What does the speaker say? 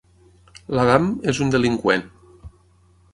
L'Adam és un delinqüent.